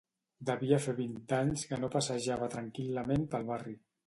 Devia fer vint anys que no passejava tranquil.lament pel barri.